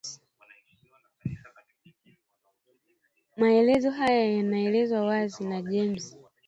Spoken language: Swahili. Maelezo haya yanaelezwa waziwazi na James